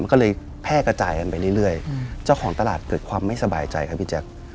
มันก็เลยแพร่กระจายกันไปเรื่อยเจ้าของตลาดเกิดความไม่สบายใจครับพี่แจ๊ค